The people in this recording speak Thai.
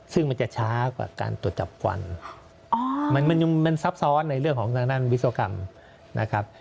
ซึ่งมันจะช้ากว่าการตรวจจับควันมันซับซ้อนในเรื่องของทางด้านวิศวกรรมนะครับ